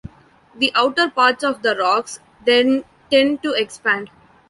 The outer parts of the rocks then tend to expand.